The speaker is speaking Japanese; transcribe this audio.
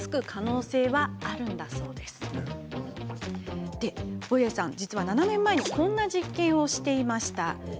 実は尾家さん、７年前にこんな実験をしていました。